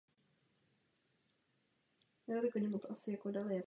To znamená jasné směřování k bankrotu.